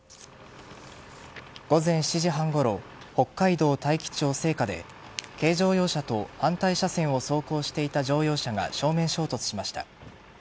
午前７時半ごろ北海道大樹町生花で軽乗用車と、反対車線を走行していた乗用車が正面衝突しました。